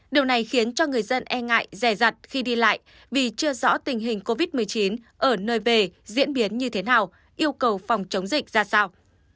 điều này khiến cho người dân e ngại rè rặt khi đi lại vì chưa rõ tình hình covid một mươi chín ở nơi về diễn biến như thế nào yêu cầu phòng chống dịch ra sao